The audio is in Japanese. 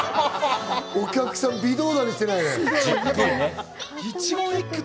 お客さん微動だにしていないね。